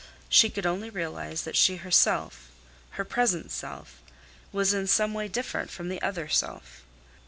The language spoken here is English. She could only realize that she herself—her present self—was in some way different from the other self.